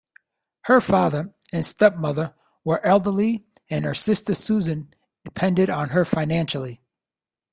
Her father and step-mother were elderly, and her sister Susan depended on her financially.